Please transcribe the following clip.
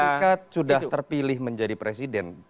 mereka sudah terpilih menjadi presiden